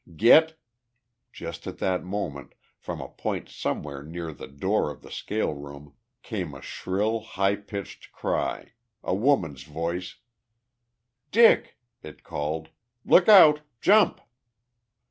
"Get " Just at that moment, from a point somewhere near the door of the scale room, came a shrill, high pitched cry a woman's voice: "Dick!" it called. "Lookout! Jump!"